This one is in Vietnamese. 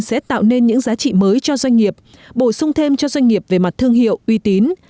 sẽ tạo nên những giá trị mới cho doanh nghiệp bổ sung thêm cho doanh nghiệp về mặt thương hiệu uy tín